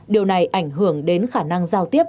điều này ảnh hưởng đến khả năng giao tiếp